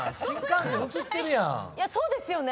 そうですよね。